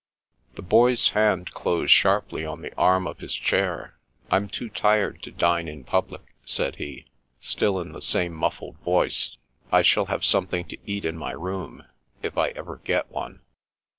The Boy's hand closed sharply on the arm of his chair. " I'm too tired to dine in public," said he, still in the same mufHed voice. " I shall have some thing to eat in my room — if I ever get one."